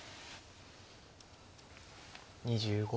２５秒。